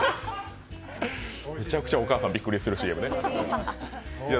むちゃくちゃお母さんがびっくりするシーンよね。